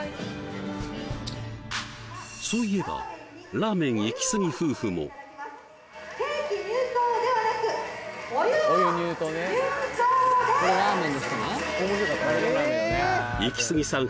そういえばラーメンイキスギ夫婦もイキスギさん